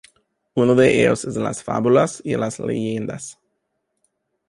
Uno de ellos es las fábulas y las leyendas.